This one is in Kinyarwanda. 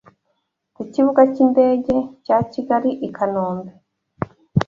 ku Kibuga cy’indege cya Kigali i Kanombe,